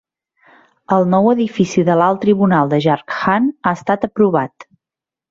El nou edifici de l'alt tribunal de Jharkhand ha estat aprovat.